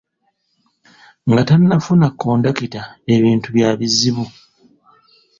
Nga tannafuna kondakita ebintu bya bizibu.